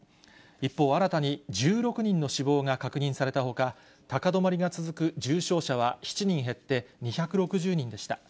一方、新たに１６人の死亡が確認されたほか、高止まりが続く重症者は７人減って２６０人でした。